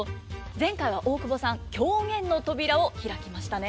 前回は大久保さん狂言の扉を開きましたね。